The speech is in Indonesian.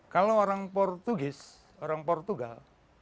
kalau orang portugis orang portugal